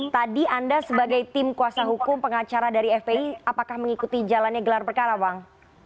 tadi anda sebagai tim kuasa hukum pengacara dari fpi apakah mengikuti jalannya gelar perkara bang